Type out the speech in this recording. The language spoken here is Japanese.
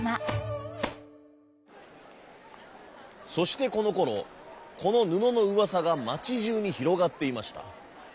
そしてこのころこのぬののうわさがまちじゅうにひろがっていました。